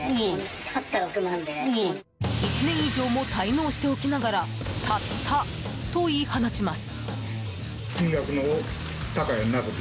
１年以上も滞納しておきながら「たった」と言い放ちます。